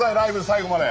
最後まで。